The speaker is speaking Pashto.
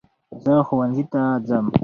زه ښوونځی ته ځم